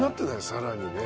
さらにね。